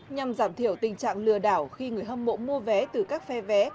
nhằm giảm thiểu tình trạng lừa đảo khi người hâm mộ mua vé từ các phe vé